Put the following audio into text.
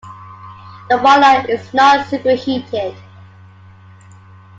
The boiler is not superheated.